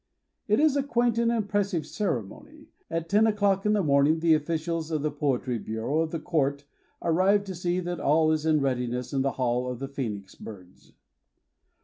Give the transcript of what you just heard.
It is a quaint and impressive cere mony. At ten o'clock in the morning the ofiicials of the Poetry Bureau of the Court arrive to see that all is in readiness in the Hall of the Phoenix Birds.